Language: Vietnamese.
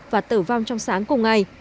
và tử vong trong sáng cùng ngày